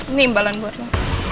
ini imbalan buat lo